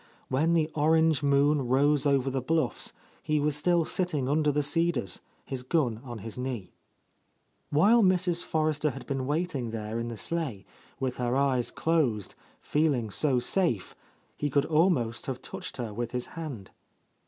When the orange moon rose over the bluffs, he was still sitting under the cedars, his gun on his knee. While Mrs. Forrester had been waiting there in the sleigh, with her eyes closed, feeling so safe, —67— A Lost Lady he could almost have touched her with his hand.